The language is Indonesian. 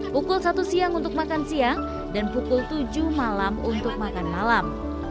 pukul satu siang untuk makan siang dan pukul tujuh malam untuk makan malam